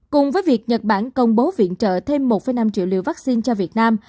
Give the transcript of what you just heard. cùng với việc nhật bản công bố viện trợ thêm một năm triệu liều vaccine cho việt nam